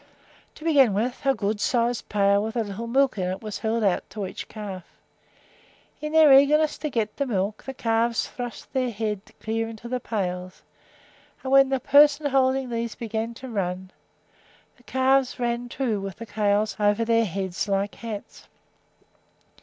To begin with, a good sized pail with a little milk in it was held out to each calf. In their eagerness to get the milk the calves thrust their heads clear into the pails; and when the persons holding these began to run, the calves ran too, with the pails over their heads like hats.